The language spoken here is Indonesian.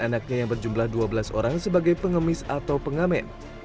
anaknya yang berjumlah dua belas orang sebagai pengemis atau pengamen